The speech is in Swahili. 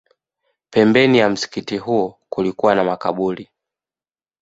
Pembeni ya msikiti huo kulikuwa na makaburi